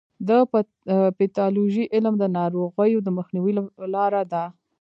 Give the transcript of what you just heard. د پیتالوژي علم د ناروغیو د مخنیوي لاره ده.